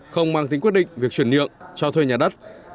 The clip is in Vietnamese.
không mang tính quyết định việc chuyển nhượng cho thuê nhà đất